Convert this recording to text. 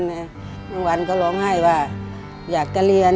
บางวันเขาร้องให้ว่าอยากกลัวเรียน